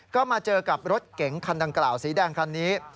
ก็มาเจอกับรถเก๋งคันดังกล่าวสีแดงคันนี้